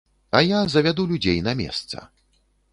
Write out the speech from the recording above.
А я завяду людзей на месца.